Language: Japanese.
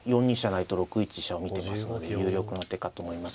成と６一飛車を見てますので有力の手かと思います。